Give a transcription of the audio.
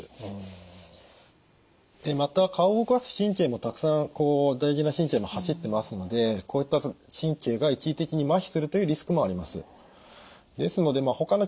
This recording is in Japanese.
でまた顔を動かす神経もたくさん大事な神経が走ってますのでこういった神経が一時的にまひするというリスクもあります。